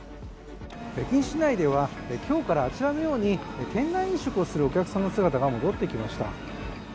北京市内では今日からあちらのように店内飲食をするお客さんの姿が戻ってきました。